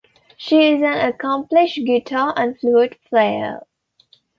She is an accomplished guitar and flute player.